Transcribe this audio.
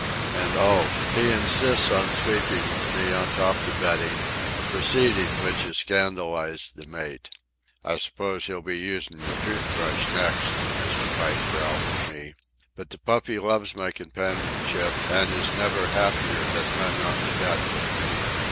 And—oh!—he insists on sleeping with me on top the bedding; a proceeding which has scandalized the mate. "I suppose he'll be using your toothbrush next," Mr. Pike growled at me. But the puppy loves my companionship, and is never happier than when on the bed with me.